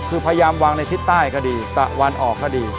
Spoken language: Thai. คือพยายามวางในทิศใต้ก็ดีตะวันออกก็ดี